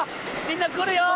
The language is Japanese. みんな来るよ！